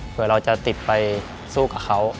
เพื่อเราจะติดไปสู้กับเขา